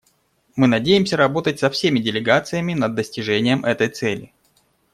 Мы надеемся работать со всеми делегациями над достижением этой цели.